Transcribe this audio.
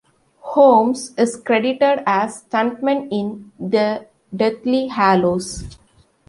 Holmes is credited as stuntman in "The Deathly Hallows".